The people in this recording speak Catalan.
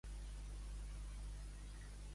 Amb bufes, rialles; i, amb pets, baralles.